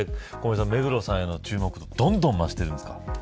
目黒さんへの注目どんどん増しているんですか。